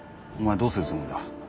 どうするつもりだ？